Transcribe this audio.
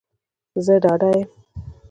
زه ډاډه یم